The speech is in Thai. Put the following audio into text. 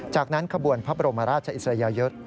จากนั้นขบวนพระบรมราชอิสริยยศ